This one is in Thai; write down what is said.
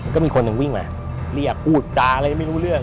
ก็มีคนลงวิ่งมาเครียดกูลดจ๋างอะไรไม่รู้เรื่อง